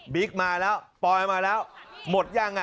มาแล้วปอยมาแล้วหมดยังอ่ะ